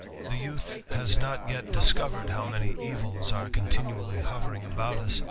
The youth has not yet ^scovered how many evils are continually hovering about *«